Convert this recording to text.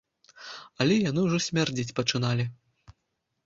Але яны ўжо смярдзець пачыналі.